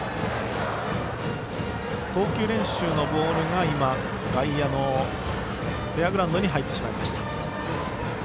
投球練習のボールが今外野のフェアグラウンドに入ってしまいました。